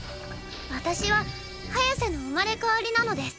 私はハヤセの生まれ変わりなのです！